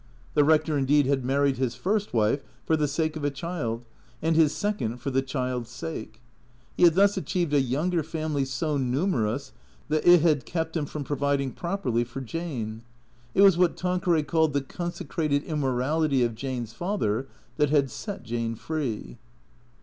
The rector, indeed, had married his iirst wife for the sake of a child, and his second for the child's sake. He had thus achieved a younger family so numerous that it had kept him from providing properly for Jane. It was what Tanqueray called the " consecrated immorality " of Jane's father that had set Jane free.